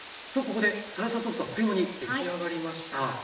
ここでサルサソースあっという間に出来上がりました。